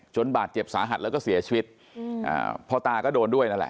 บาดเจ็บสาหัสแล้วก็เสียชีวิตอืมอ่าพ่อตาก็โดนด้วยนั่นแหละ